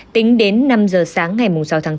tính đến năm giờ sáng ngày sáu tháng bốn